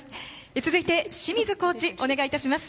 続いて清水コーチお願いいたします。